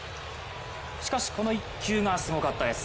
しかし、この１球がすごかったです。